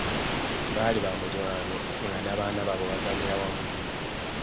Baali ba mulirwano nga n'abaana babwe bazanyira wamu.